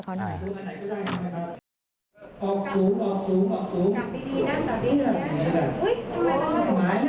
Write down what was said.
๙๗๕ดูกันชัด